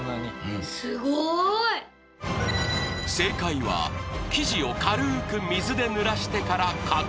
正解は生地を軽く水でぬらしてから書く。